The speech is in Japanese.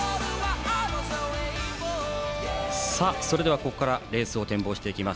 それでは、ここからレースを展望していきます